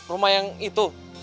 rumah yang itu